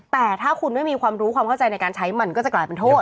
แต่ถ้าคุณไม่มีความรู้ความเข้าใจในการใช้มันก็จะกลายเป็นโทษ